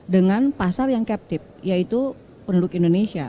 dengan pasar yang captive yaitu penduduk indonesia